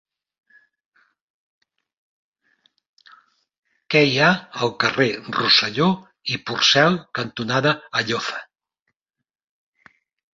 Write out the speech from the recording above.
Què hi ha al carrer Rosselló i Porcel cantonada Alloza?